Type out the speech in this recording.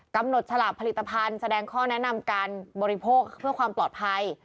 ฉลากผลิตภัณฑ์แสดงข้อแนะนำการบริโภคเพื่อความปลอดภัย